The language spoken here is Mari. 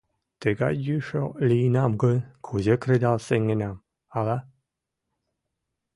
Тыгай йӱшӧ лийынам гын, кузе кредал сеҥенам ала?